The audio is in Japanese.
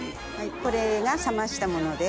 これが冷ましたものです。